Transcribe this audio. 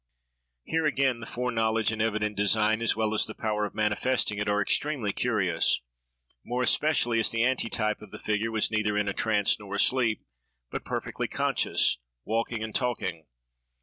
Here, again, the foreknowledge and evident design, as well as the power of manifesting it, are extremely curious—more especially as the antitype of the figure was neither in a trance nor asleep, but perfectly conscious, walking and talking.